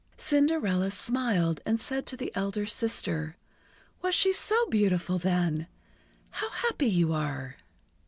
Cinderella smiled and said to the elder sister: "Was she so beautiful then! How happy you are!"